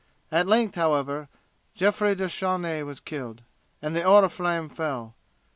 At length, however, Jeffrey de Charny was killed, and the oriflamme fell.